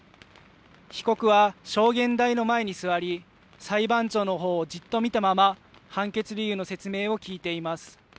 被告は証言台の前に座り裁判長のほうをじっと見たまま判決理由の説明を聞いています。